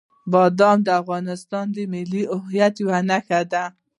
بادام د افغانستان د ملي هویت یوه نښه ده.